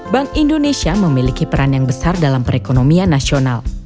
bank indonesia memiliki peran yang besar dalam perekonomian nasional